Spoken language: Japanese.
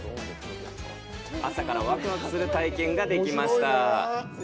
朝からワクワクする体験ができました！